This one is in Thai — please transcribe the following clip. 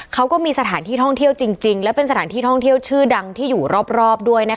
เขาก็มีสถานที่ท่องเที่ยวจริงและเป็นสถานที่ท่องเที่ยวชื่อดังที่อยู่รอบด้วยนะคะ